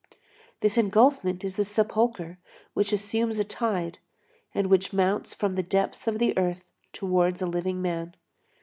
This engulfment is the sepulchre which assumes a tide, and which mounts from the depths of the earth towards a living man.